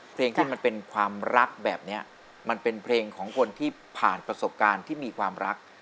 เพลงที่มันเป็นความรักแบบนี้มันเป็นเพลงของคนที่ผ่านประสบการณ์ที่มีความรัก